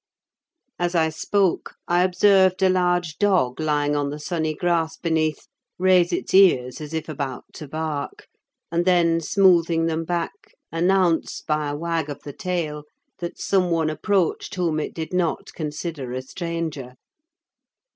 As I spoke, I observed a large dog lying on the sunny grass beneath raise its ears as if about to bark, and then smoothing them back, announce, by a wag of the tail, that some one approached whom it did not consider a stranger.